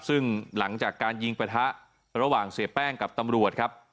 ซึ่งหลังจากการยิงประทะระหว่างเสียแป้งกับตำรวจครับ